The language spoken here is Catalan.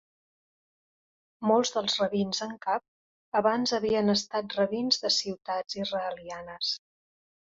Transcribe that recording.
Molts dels Rabins en Cap, abans havien estat rabins de ciutats israelianes.